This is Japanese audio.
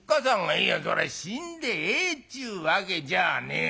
「いやそら死んでええっちゅうわけじゃねえだ」。